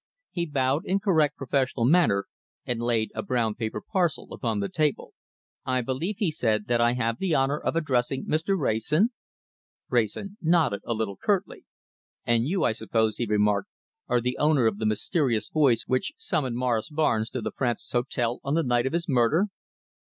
He bowed in correct professional manner, and laid a brown paper parcel upon the table. "I believe," he said, "that I have the honour of addressing Mr. Wrayson?" Wrayson nodded a little curtly. "And you, I suppose," he remarked, "are the owner of the mysterious voice which summoned Morris Barnes to the Francis Hotel on the night of his murder?"